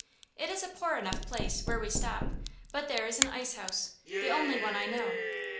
It is a poor enough place, where we stop, but there is an ice house, the only one I know.